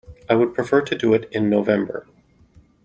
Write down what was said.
I would prefer to do it in November.